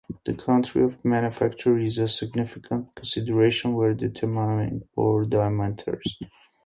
The country of manufacture is a significant consideration when determining bore diameters.